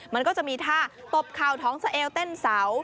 มันก็จะมีท่าตบเข่าท้องสะเอวเต้นเสา